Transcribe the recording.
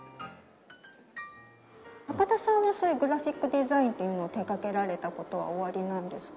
高田さんはそういうグラフィックデザインっていうものを手掛けられた事はおありなんですか？